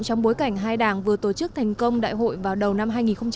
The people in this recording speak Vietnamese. trong bối cảnh hai đảng vừa tổ chức thành công đại hội vào đầu năm hai nghìn hai mươi